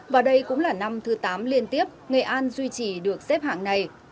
và đây cũng là năm thứ tám liên tiếp nghệ an duy trì được xếp hạng này